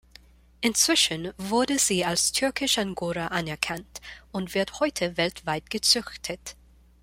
Inzwischen wurde sie als Türkisch Angora anerkannt und wird heute weltweit gezüchtet.